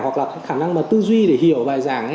hoặc là khả năng tư duy để hiểu bài giảng